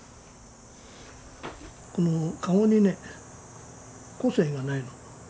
顔にね個性がないの。